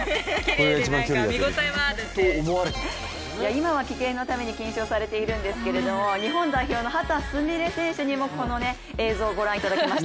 今は危険なため禁止されているんですけど日本代表の秦澄美鈴選手にもこの映像をご覧いただきました。